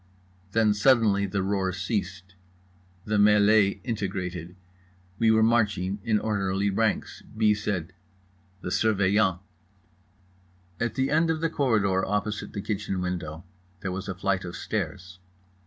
Then suddenly the roar ceased. The mêlée integrated. We were marching in orderly ranks. B. said: "The Surveillant!" At the end of the corridor, opposite the kitchen window, there was a flight of stairs.